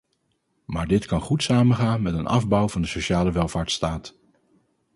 Maar dit kan goed samengaan met een afbouw van de sociale welvaartsstaat.